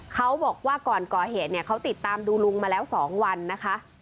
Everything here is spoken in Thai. เขาบอกว่าก่อนก่อเหตุเนี่ยเขาติดตามดูลุงมาแล้ว๒วันนะคะ